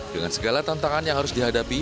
dengan segala tantangan yang harus dihadapi